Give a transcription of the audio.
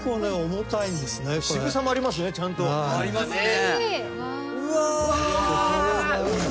重量感ちゃんとありますね。